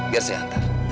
biar saya hantar